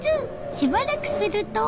しばらくすると。